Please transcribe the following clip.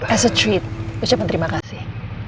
as a treat ucapan terima kasih